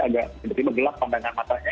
agak tiba tiba gelap pandangan matanya